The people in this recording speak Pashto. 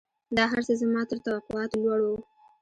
دا هرڅه زما تر توقعاتو لوړ وو.